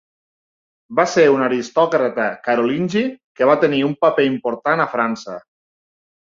Va ser un aristòcrata carolingi que va tenir un paper important a França.